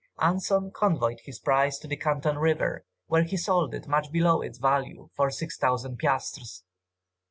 ] Anson convoyed his prize to the Canton River, where he sold it much below its value, for 6000 piastres.